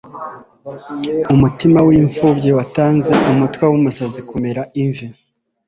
Umutima w'imfubyi watanze umutwe w'umusaza kumera imvi